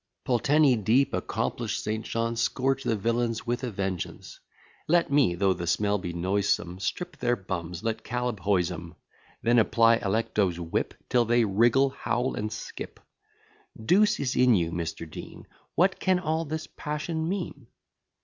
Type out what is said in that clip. Pulteney deep, accomplish'd St. Johns, Scourge the villains with a vengeance; Let me, though the smell be noisome, Strip their bums; let Caleb hoise 'em; Then apply Alecto's whip Till they wriggle, howl, and skip. Deuce is in you, Mr. Dean: What can all this passion mean?